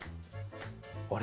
あれ？